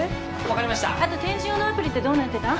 あと展示用のアプリってどうなってた？